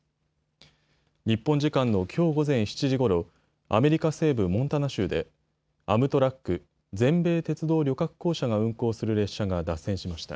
日本時間のきょう午前７時ごろ、アメリカ西部モンタナ州でアムトラック・全米鉄道旅客公社が運行する列車が脱線しました。